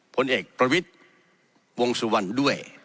ผลเอกประวิทย์วงสุวรรณด้วย